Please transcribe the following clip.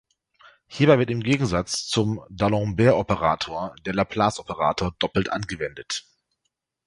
Hierbei wird im Gegensatz zum d'Alembert-Operator der Laplace-Operator doppelt angewendet.